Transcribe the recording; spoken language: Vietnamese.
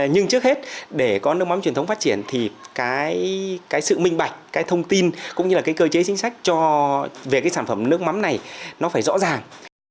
nhưng trước hết để có nước mắm truyền thống phát triển thì cái sự minh bạch cái thông tin cũng như là cái cơ chế chính sách về cái sản phẩm nước mắm này nó phải rõ ràng